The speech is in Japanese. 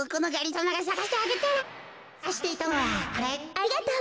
ありがとう。